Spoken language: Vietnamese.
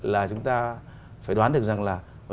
là chúng ta phải đoán được rằng là